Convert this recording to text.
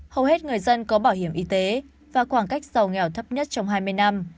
hầu hết người dân có bảo hiểm y tế và khoảng cách giàu nghèo thấp nhất trong hai mươi năm